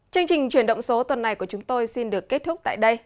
chương trình chuyển động số tuần này của chúng tôi xin được kết thúc tại đây